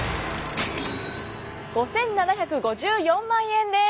５，７５４万円です。